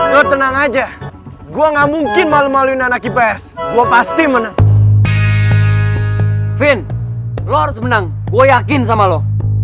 lo harus menang gue yakin sama lo